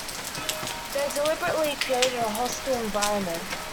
They deliberately created a hostile environment